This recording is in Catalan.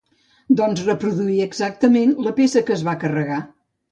Doncs reproduir exactament la peça que es va carregar.